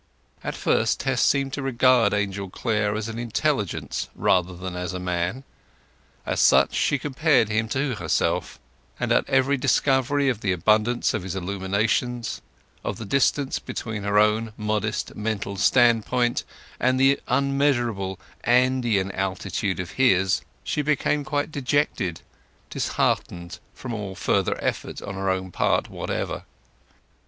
At first Tess seemed to regard Angel Clare as an intelligence rather than as a man. As such she compared him with herself; and at every discovery of the abundance of his illuminations, of the distance between her own modest mental standpoint and the unmeasurable, Andean altitude of his, she became quite dejected, disheartened from all further effort on her own part whatever.